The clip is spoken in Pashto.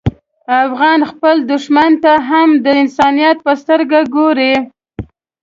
افغان خپل دښمن ته هم د انسانیت په سترګه ګوري.